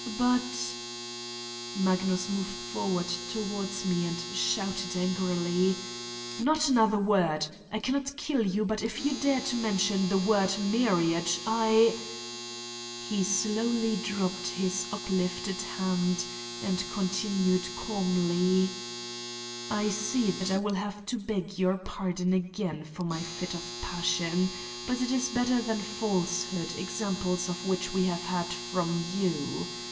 ..." "But ..." Magnus moved forward towards me and shouted angrily : 1 ' Not another word !... I cannot kill you but if you dare to mention the word * marriage,' I! ..." He slowly dropped his uplifted hand, and con tinued calmly : "I see that I will have to beg your pardon again for my fit of passion, but it is better than false hood, examples of which we have had from you.